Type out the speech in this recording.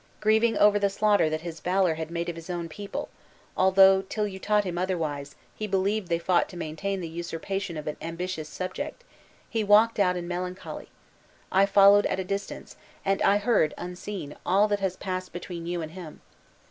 Grieving over the slaughter that his valor had made of his own people (although, till you taught him otherwise, he believed they fought to maintain the usurpation of an ambitious subject), he walked out in melancholy. I followed at a distance; and I heard, unseen, all that has passed between you and him.